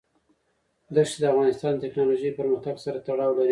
ښتې د افغانستان د تکنالوژۍ پرمختګ سره تړاو لري.